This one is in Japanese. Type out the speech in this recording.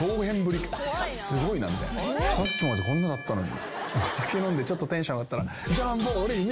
さっきまでこんなだったのに。